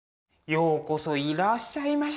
ようこそいらっしゃいまし。